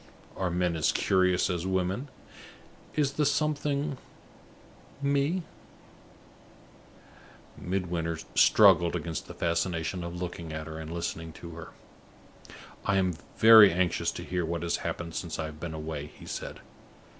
Are men as curious as women? Is the something Me?" Midwinter struggled against the fascination of looking at her and listening to her. "I am very anxious to hear what has happened since I have been away," he said.